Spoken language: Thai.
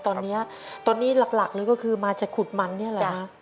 ตอนนี้หลักเลยก็คือมาจากขุดมันเนี่ยเหรอครับ